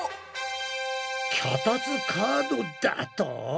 脚立カードだと！？